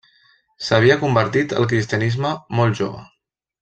S'havia convertit al cristianisme molt jove.